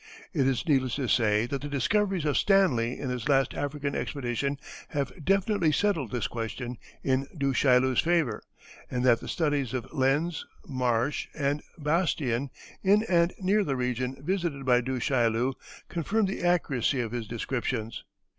It is needless to say that the discoveries of Stanley in his last African expedition have definitely settled this question in Du Chaillu's favor, and that the studies of Lenz, Marche, and Bastian, in and near the region visited by Du Chaillu, confirm the accuracy of his descriptions.